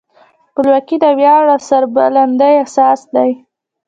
خپلواکي د ویاړ او سربلندۍ اساس دی.